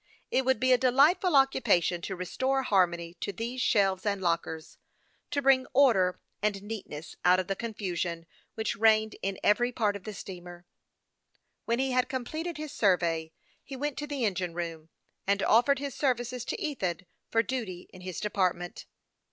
It would be a delightful occupation to restore harmony to these shelves and lockers, to bring order and neatness out of the con THE YOUNG PILOT OF LAKE CHAMPLAIN. 181 fusion which reigned in every part of the steamer. When he had completed his survey, he went to the engine room, and offered his services to Ethan for duty in his department.